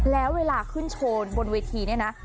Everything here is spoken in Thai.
แล้วเวลาขึ้นโชว์บนเวทีเนี่ยนะ